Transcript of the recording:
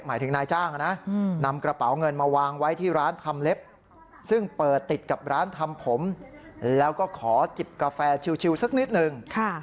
หมายถึงนายจ้างนะนำกระเป๋าเงินมาวางไว้ที่ร้านทำเล็บซึ่งเปิดติดกับร้านทำผมแล้วก็ขอจิบกาแฟชิวสักนิดนึง